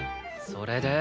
それで？